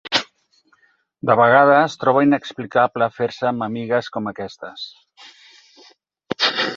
De vegades troba inexplicable fer-se amb amigues com aquestes.